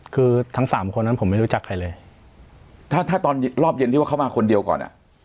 คือทั้งสามคนนั้นผมไม่รู้จักใครเลยถ้าถ้าตอนรอบเย็นที่ว่าเขามาคนเดียวก่อนอ่ะ